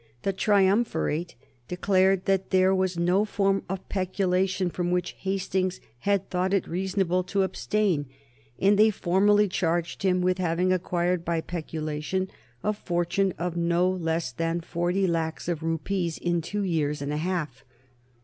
The triumvirate declared that there was no form of peculation from which Hastings had thought it reasonable to abstain, and they formally charged him with having acquired by peculation a fortune of no less than forty lakhs of rupees in two years and a half.